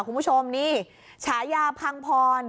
คุณผู้ชมนี่ฉายาพังพร